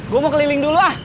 gue mau keliling dulu ah